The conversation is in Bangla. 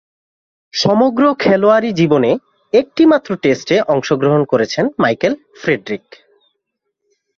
সমগ্র খেলোয়াড়ী জীবনে একটিমাত্র টেস্টে অংশগ্রহণ করেছেন মাইকেল ফ্রেডরিক।